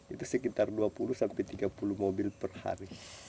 itu sekitar dua puluh sampai tiga puluh mobil per hari